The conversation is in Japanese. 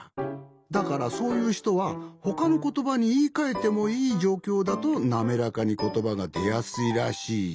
だからそういうひとはほかのことばにいいかえてもいいじょうきょうだとなめらかにことばがでやすいらしい。